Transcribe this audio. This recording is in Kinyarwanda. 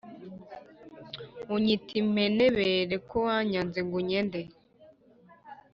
uny ita impenebere ko wanzanye ngo u ny ende